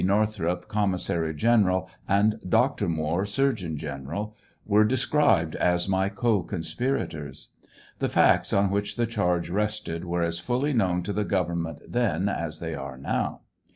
Northrop, commissary general, and Doctor Moore, surgeon general, were described as my co conspirators. The facts on which the charge rested were as fully known to the government then as they are now.